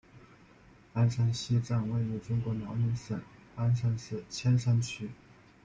鞍山西站位于中国辽宁省鞍山市千山区。